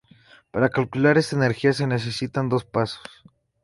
Para calcular esta energía se necesitan dos pasos.